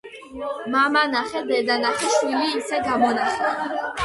მამა ნახე, დედა ნახე, შვილი ისე გამონახე